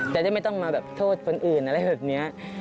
จะได้ไม่ต้องมาแบบโทษคนอื่นอะไรแบบนี้